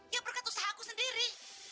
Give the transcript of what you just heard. ya berkat usaha aku sendiri